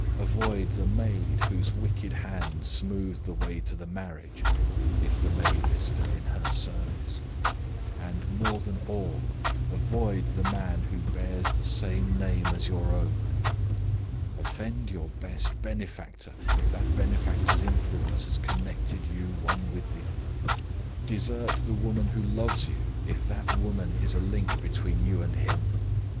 Avoid the maid whose wicked hand smoothed the way to the marriage if the maid is still in her service. And more than all, avoid the man who bears the same name as your own. Offend your best benefactor, if that benefactor's influence has connected you one with the other. Desert the woman who loves you, if that woman is a link between you and him.